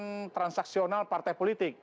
membutuhkan transaksional partai politik